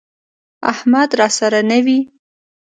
احمد راسره نه وي،